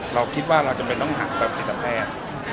เราคิดว่าเราจำเป็นต้องหักแบบจิตแพทย์